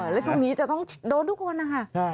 แล้วช่วงนี้จะต้องโดนทุกคนนะคะ